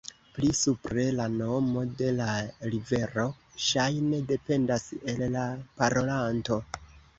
Pli supre la nomo de la rivero ŝajne dependas el la parolanto.